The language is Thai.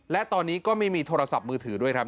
และตอนนี้ก็ไม่มีโทรศัพท์มือถือด้วยครับ